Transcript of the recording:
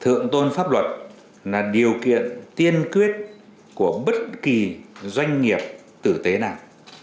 thượng tôn pháp luật là điều kiện tiên quyết của bất kỳ doanh nghiệp tử tế nào